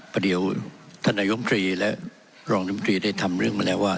ประเดียวธนายมมตรีและรองมมตรีได้ทำเรื่องมาแล้วว่า